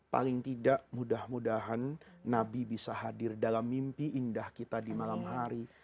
paling tidak mudah mudahan nabi bisa hadir dalam mimpi indah kita di malam hari